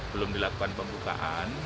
belum dilakukan pembukaan